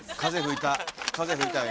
風吹いたよ